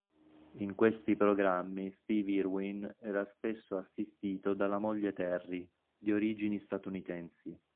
In questi programmi Steve Irwin era spesso assistito dalla moglie Terri, di origini statunitensi.